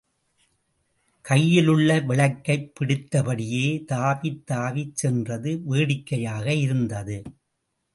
கையில் உள்ள விளக்கைப் பிடித்தபடியே தாவித் தாவிச் சென்றது வேடிக்கையாக இருந்தது.